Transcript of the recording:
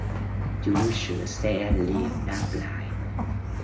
chú sửa xe liền đáp lại